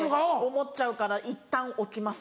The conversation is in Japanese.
思っちゃうからいったん置きます。